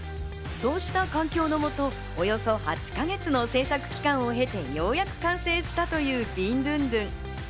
そうした環境の下、およそ８か月の制作期間を経てようやく完成したというビンドゥンドゥン。